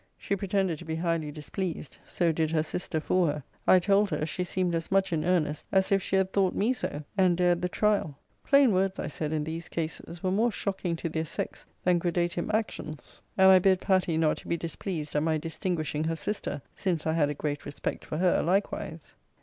She pretended to be highly displeased: so did her sister for her. I told her, she seemed as much in earnest as if she had thought me so; and dared the trial. Plain words, I said, in these cases, were more shocking to their sex than gradatim actions. And I bid Patty not be displeased at my distinguishing her sister; since I had a great respect for her likewise.